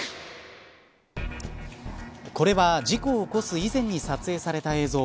これは、事故を起こす以前に撮影された映像。